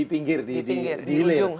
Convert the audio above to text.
di ujung ha ha